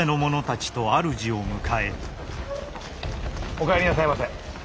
お帰りなさいませ。